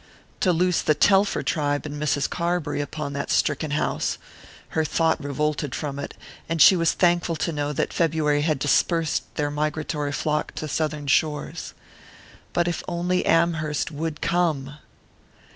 To loose the Telfer tribe and Mrs. Carbury upon that stricken house her thought revolted from it, and she was thankful to know that February had dispersed their migratory flock to southern shores. But if only Amherst would come!